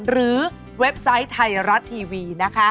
เว็บไซต์ไทยรัฐทีวีนะคะ